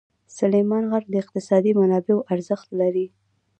سلیمان غر د اقتصادي منابعو ارزښت زیاتوي.